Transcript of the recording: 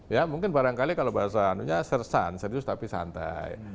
ya mungkin barangkali kalau bahasanya serius tapi santai